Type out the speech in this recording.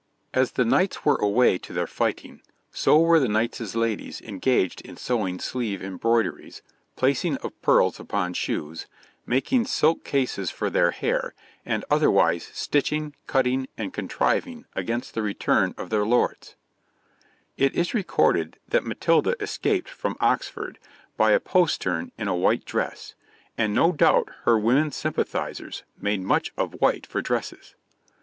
As the knights were away to their fighting, so were the knights' ladies engaged in sewing sleeve embroideries, placing of pearls upon shoes, making silk cases for their hair, and otherwise stitching, cutting, and contriving against the return of their lords. [Illustration: {A woman of the time of Stephen}] It is recorded that Matilda escaped from Oxford by a postern in a white dress, and no doubt her women sympathizers made much of white for dresses.